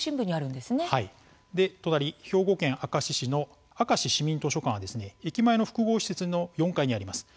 お隣、兵庫県明石市のあかし市民図書館は駅前の複合施設の４階にあります。